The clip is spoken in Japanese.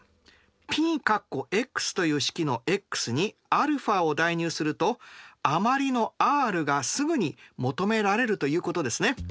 Ｐという式のｘにαを代入すると余りのＲがすぐに求められるということですね。